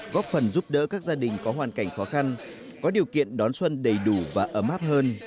góp phần giúp đỡ các gia đình có hoàn cảnh khó khăn có điều kiện đón xuân đầy đủ và ấm áp hơn